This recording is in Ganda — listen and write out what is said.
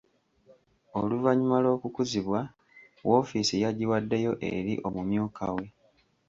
Oluvannyuma lw'okukuzibwa, woofiisi yagiwaddeyo eri omumyuka we.